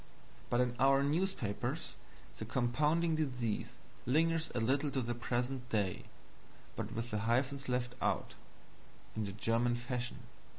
But in our newspapers the compounding disease lingers a little to the present day, but with the hyphens left out, in the German fashion.